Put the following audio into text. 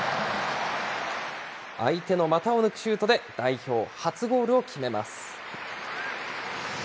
相手の股を抜くシュートで代表初ゴールを決めます。